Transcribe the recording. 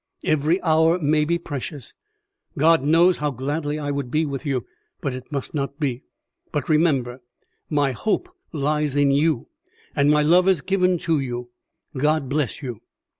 Every hour may be precious. God knows how gladly I would be with you, but it must not be. But remember, my hope lies in you, and my love is given to you. God bless you!"